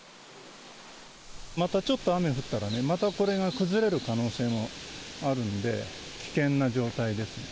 またちょっと雨降ったらね、またこれが崩れる可能性もあるんで、危険な状態です。